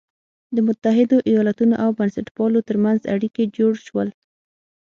د متحدو ایالتونو او بنسټپالو تر منځ اړیکي جوړ شول.